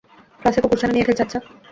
ক্লাসে কুকুরছানা নিয়ে খেলছে, আচ্ছা?